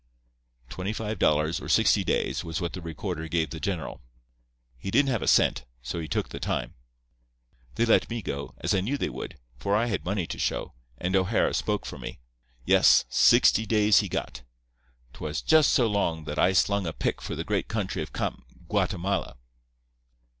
"Twenty five dollars or sixty days, was what the recorder gave the general. He didn't have a cent, so he took the time. They let me go, as I knew they would, for I had money to show, and O'Hara spoke for me. Yes; sixty days he got. 'Twas just so long that I slung a pick for the great country of Kam—Guatemala."